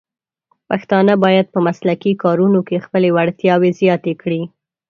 پښتانه بايد په مسلکي کارونو کې خپلې وړتیاوې زیاتې کړي.